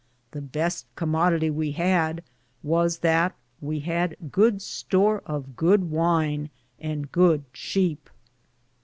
The beste como ditie we had was that we had good store of good wyne and good cheape (sheep).